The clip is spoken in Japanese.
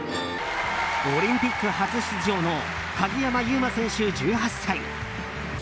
オリンピック初出場の鍵山優真選手、１８歳。